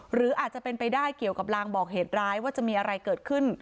หรืออาจจะเป็นไปได้เกี่ยวกับลางบอกเหตุร้ายว่าจะมีอะไรเกิดขึ้น